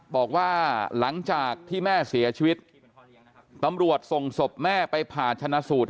บอกว่าหลังจากที่แม่เสียชีวิตตำรวจส่งศพแม่ไปผ่าชนะสูตร